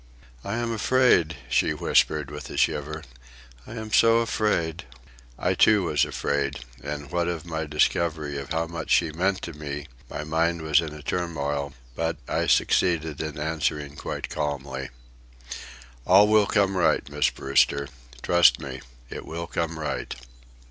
"I am afraid," she whispered, with a shiver. "I am so afraid." I, too, was afraid, and what of my discovery of how much she meant to me my mind was in a turmoil; but, I succeeded in answering quite calmly: "All will come right, Miss Brewster. Trust me, it will come right."